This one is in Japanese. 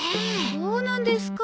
そうなんですかあ。